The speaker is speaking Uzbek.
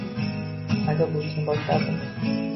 Nimaga bu ishni boshladim?